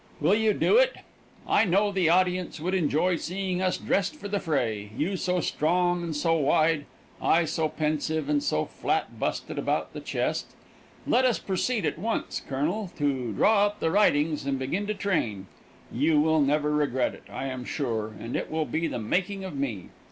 Will you do it? I know the audience would enjoy seeing us dressed for the fray, you so strong and so wide, I so pensive and so flat busted about the chest. Let us proceed at once, Colonel, to draw up the writings and begin to train. You will never regret it, I am sure, and it will be the making of me.